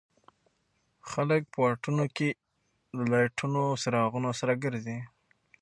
خلک په واټونو کې له لاټېنونو او څراغونو سره ګرځي.